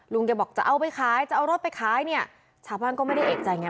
แกบอกจะเอาไปขายจะเอารถไปขายเนี่ยชาวบ้านก็ไม่ได้เอกใจไง